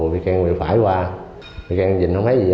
vì càng phải qua vì càng nhìn không thấy gì